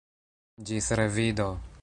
Ĝis revido!